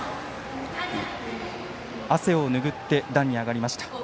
汗をぬぐって壇に上がりました。